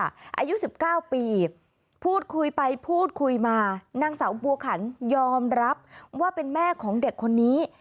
อายุ๑๙ปีพูดคุยไปพูดคุยมานางสาวบัวขันยอมรับว่าเป็นแม่ของเด็กคนนี้